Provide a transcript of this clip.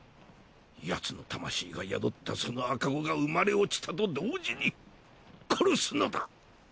ヤツの魂が宿ったその赤子が生まれ落ちたと同時に殺すのだ。